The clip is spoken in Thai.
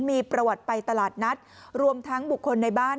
มีประวัติไปตลาดนัดรวมทั้งบุคคลในบ้าน